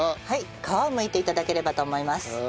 はい皮をむいて頂ければと思います。